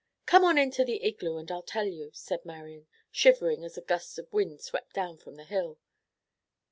"Come on into the igloo and I'll tell you," said Marian, shivering as a gust of wind swept down from the hill.